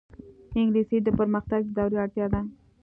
انګلیسي د پرمختګ د دورې اړتیا ده